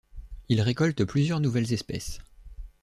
Il récolte plusieurs nouvelles espèces.